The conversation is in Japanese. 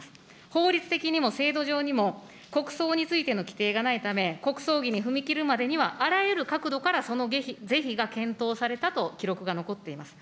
法律的にも制度上にも国葬についての規定がないため、国葬儀に踏み切るまでには、あらゆる角度からその是非が検討されたと記録が残っています。